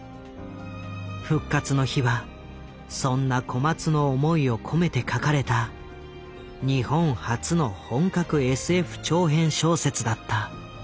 「復活の日」はそんな小松の思いを込めて書かれた日本初の本格ＳＦ長編小説だった。